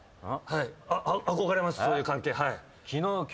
はい。